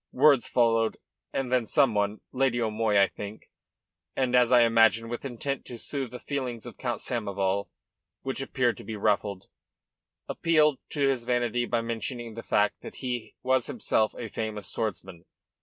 Words followed, and then some one Lady O'Moy, I think, and as I imagine with intent to soothe the feelings of Count Samoval, which appeared to be ruffled appealed to his vanity by mentioning the fact that he was himself a famous swordsman.